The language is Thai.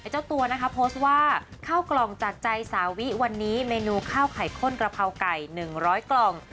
เจ้าตัวนะคะโพสต์ว่าข้าวกล่องจากใจสาวิวันนี้เมนูข้าวไข่ข้นกระเพราไก่๑๐๐กล่อง